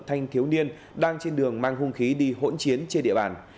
thanh thiếu niên đang trên đường mang hung khí đi hỗn chiến trên địa bàn